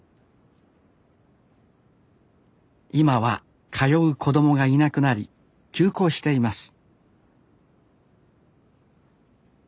今は通う子どもがいなくなり休校しています